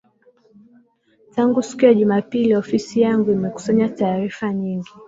tangu siku ya juma pili ofisi yangu imekusanya taarifa nyingi